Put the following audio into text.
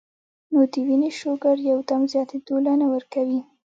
نو د وينې شوګر يو دم زياتېدو له نۀ ورکوي -